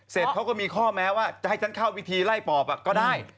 เขาก็มีข้อแม้ว่าจะให้ฉันเข้าวิธีไล่ปอบก็ได้